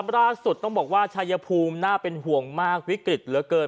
ล่าสุดต้องบอกว่าชายภูมิน่าเป็นห่วงมากวิกฤตเหลือเกิน